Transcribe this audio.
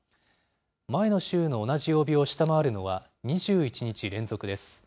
前の週の同じ曜日を下回るのは、２１日連続です。